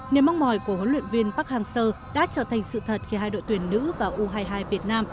niềm mong mỏi của huấn luyện viên park hang seo đã trở thành sự thật khi hai đội tuyển nữ và u hai mươi hai việt nam